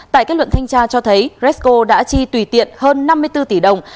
tại kết luận thanh tra cho thấy resco đã chi tùy tiện hơn năm mươi bốn tỷ đồng